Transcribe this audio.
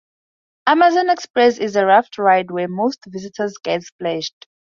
Amazon Express is a raft ride, where most visitors get splashed.